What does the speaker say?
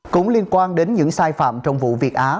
cũng liên quan đến những sai phạm trong vụ việt á